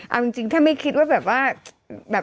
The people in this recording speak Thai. เอาจริงถ้าไม่คิดว่าแบบว่า